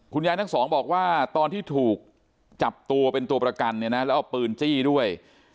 ทั้งสองบอกว่าตอนที่ถูกจับตัวเป็นตัวประกันเนี่ยนะแล้วเอาปืนจี้ด้วย